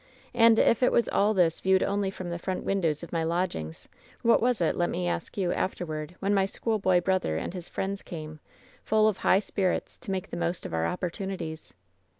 "And if it was all this viewed only from the front windows of my lodgings, what was it, let me ask you, afterward, when my schoolboy brother and his friends came, full of high spirits, to make the most of our op portunities